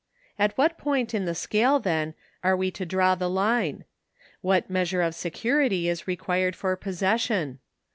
At what point in the scale, then, are we to draw the line ? What measure of security is required for possession